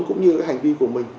cũng như cái hành vi của mình